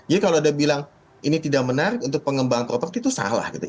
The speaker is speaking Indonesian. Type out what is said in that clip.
jadi kalau ada yang bilang ini tidak menarik untuk pengembang properti itu salah gitu